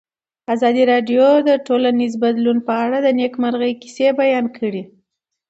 ازادي راډیو د ټولنیز بدلون په اړه د نېکمرغۍ کیسې بیان کړې.